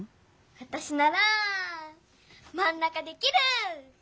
わたしならまん中できる！